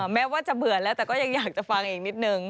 แม้ว่าจะเบื่อแล้วแต่ก็ยังอยากจะฟังอีกนิดนึง